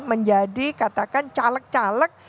menjadi katakan caleg caleg